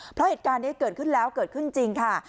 เพราะเหตุการณ์นี้เกิดขึ้นแล้วเกิดขึ้นจริงค่ะ